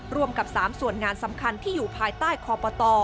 รวมกับ๓ส่วนงานสำคัญที่อยู่ภายใต้คอปต